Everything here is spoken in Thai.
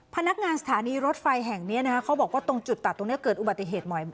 พนักงานสถานีรถไฟแห่งนี้เขาบอกว่าตรงจุดตัดตรงนี้เกิดอุบัติเหตุบ่อย